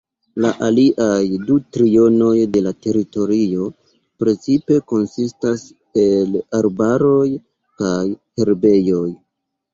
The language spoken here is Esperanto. La aliaj du trionoj de la teritorio precipe konsistas el arbaroj kaj herbejoj.